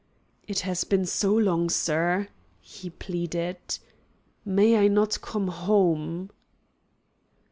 "It has been so long, sir," he pleaded. "May I not come home?"